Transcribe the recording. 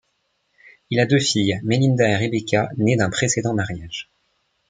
Il a deux filles, Melinda et Rebecca, nées d'un précédent mariage.